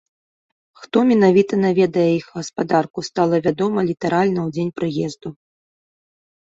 Хто менавіта наведае іх гаспадарку, стала вядома літаральна ў дзень прыезду.